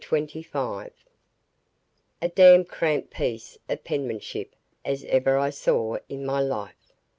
CHAPTER XXV A damn'd cramp piece of penmanship as ever I saw in my life!